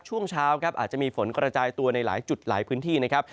ช่วงเช้าครับอาจจะมีฝนกระจายตัวในหลายจุดหลายพื้นที่นะครับ